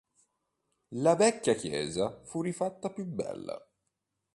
La vecchia chiesa fu rifatta più bella.